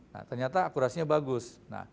nah ternyata akurasinya bagus